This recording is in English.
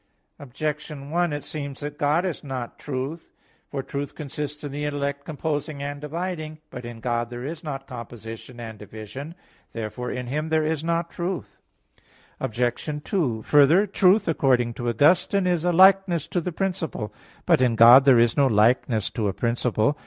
Objection 1: It seems that God is not truth. For truth consists in the intellect composing and dividing. But in God there is not composition and division. Therefore in Him there is not truth. Obj. 2: Further, truth, according to Augustine (De Vera Relig. xxxvi) is a "likeness to the principle." But in God there is no likeness to a principle.